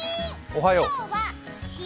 おはよう。